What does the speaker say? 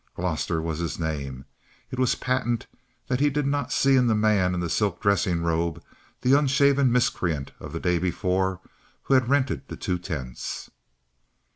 Gloster was his name. It was patent that he did not see in the man in the silk dressing robe the unshaven miscreant of the day before who had rented the two tents.